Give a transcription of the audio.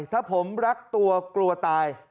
ถ้าผมรักตัวกลัวตาย